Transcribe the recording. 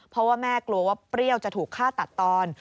เพราะว่าแม่กลัวว่าเปรี้ยวจะถูกฆ่าตัดตอน